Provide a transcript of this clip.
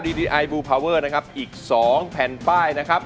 ดีดีไอบูพาวเวอร์นะครับอีก๒แผ่นป้ายนะครับ